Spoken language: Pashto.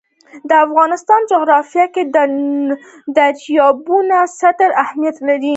د افغانستان جغرافیه کې دریابونه ستر اهمیت لري.